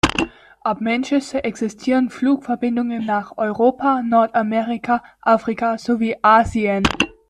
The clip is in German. Ab Manchester existieren Flugverbindungen nach Europa, Nordamerika, Afrika sowie Asien.